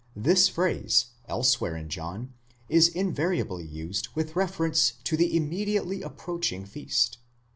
this phrase, elsewhere in John, is in variably used with reference to the immediately approaching feast (ii.